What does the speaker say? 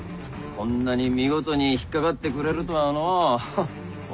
こんなに見事に引っかかってくれるとはのう。